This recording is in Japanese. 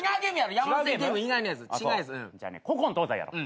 じゃあね古今東西やろう。